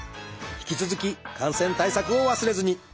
引き続き感染対策を忘れずに！